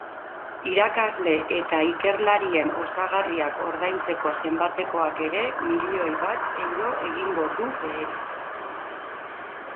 Irakasle eta ikerlarien osagarriak ordaintzeko zenbatekoak ere milioi bat euro egingo du behera.